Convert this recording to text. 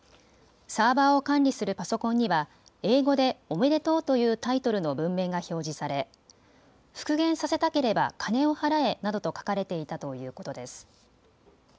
サーバーを管理するパソコンには英語でおめでとう！というタイトルの文面が表示され復元させたければ金を払えなどと書かれていたということです。